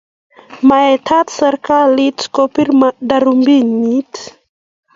maete serikalit kopir darubinit